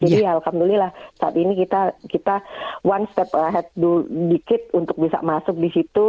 jadi ya alhamdulillah saat ini kita satu langkah ke depan dikit untuk bisa masuk di situ